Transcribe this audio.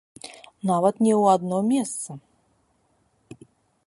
Нават не ў адно месца.